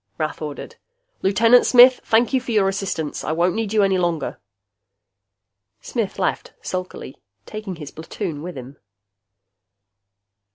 Rath ordered. "Lieutenant Smith, thank you for your assistance. I won't need you any longer." Smith left sulkily, taking his platoon with him.